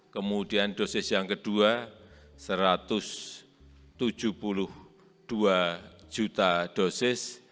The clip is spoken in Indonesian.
kemudian dosis yang kedua satu ratus tujuh puluh dua juta dosis